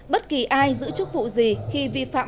bất kỳ ai giữ chức vụ gì khi vi phạm